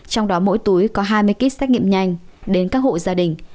trong đó mỗi túi có hai mươi kit xét nghiệm nhanh đến các hộ gia đình